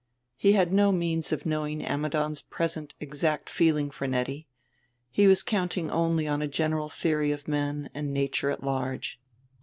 He had no means of knowing Ammidon's present exact feeling for Nettie; he was counting only on a general theory of men and nature at large.